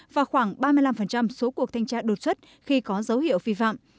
và khoảng ba mươi năm số cuộc thanh tra đột xuất khi có dấu hiệu phi phạm